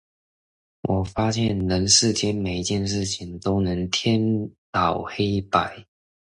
我發現人世間每件事都能顛倒黑白